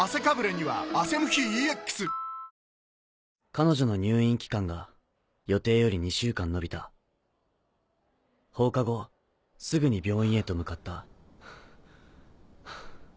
彼女の入院期間が予定より２週間延びた放課後すぐに病院へと向かったハァハァ。